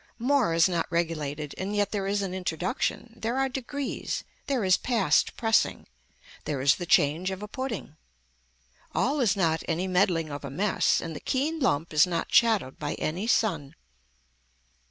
More is not regulated and yet there is an introduction, there are degrees, there is past pressing, there is the change of a pudding. All is not any meddling of a mess and the keen lump is not shadowed by any sun.